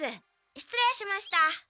しつれいしました。